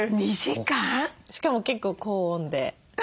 しかも結構高温で。